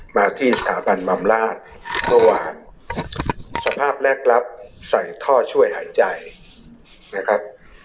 มาที่สถาบันบำราชเมื่อวานสภาพแรกรับใส่ท่อช่วยหายใจนะครับ